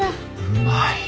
うまい！